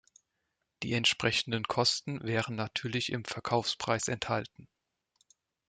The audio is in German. Die entsprechenden Kosten wären natürlich im Verkaufspreis enthalten.